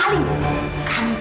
lihat buka mandi